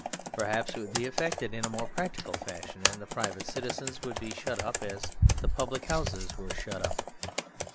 Perhaps it would be effected in a more practical fashion, and the private citizens would be shut up as the public houses were shut up.